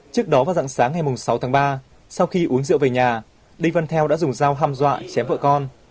trước đó vào dạng sáng ngày sáu tháng ba sau khi uống rượu về nhà đinh văn theo đã dùng dao ham dọa chém vợ con